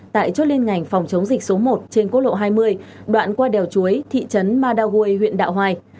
tại chốt liên ngành phòng chống dịch số một trên quốc lộ hai mươi đoạn qua đèo chuối thị trấn madaway huyện đạo hoài